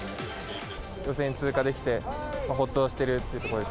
予選通過できてほっとしてるというところです。